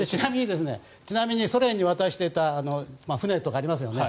ちなみにソ連に渡していた船とかありますよね。